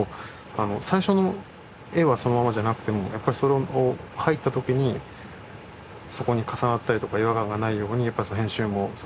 最初の画はそのままじゃなくてもやっぱりそれを入った時にそこに重なったりとか違和感がないようにやっぱりその編集も。